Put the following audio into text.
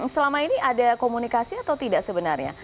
selama ini ada komunikasi atau tidak sebenarnya